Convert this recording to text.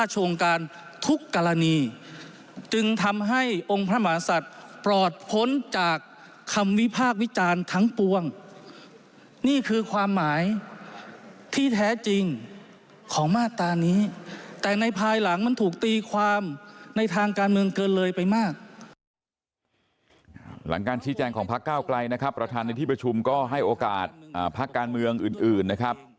หลังการชี้แจงของพักเก้าไกลนะครับประธานในที่ประชุมก็ให้โอกาสพักการเมืองอื่นนะครับ